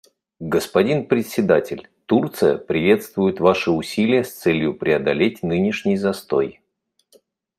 Господин Председатель, Турция приветствует ваши усилия с целью преодолеть нынешний застой.